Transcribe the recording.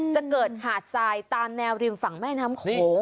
จะเกิดหาดทรายตามแนวริมฝั่งแม่น้ำโขง